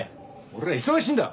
俺は忙しいんだ！